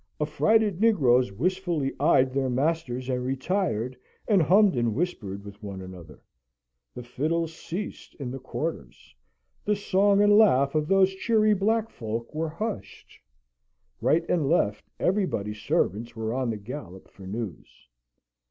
Affrighted negroes wistfully eyed their masters and retired, and hummed and whispered with one another. The fiddles ceased in the quarters: the song and laugh of those cheery black folk were hushed. Right and left, everybody's servants were on the gallop for news.